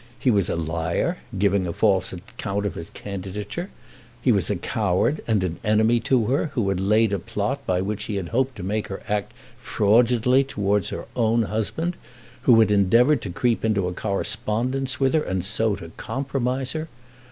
He was a liar, giving a false account of his candidature; and he was a coward; and an enemy to her, who had laid a plot by which he had hoped to make her act fraudulently towards her own husband, who had endeavoured to creep into a correspondence with her, and so to compromise her!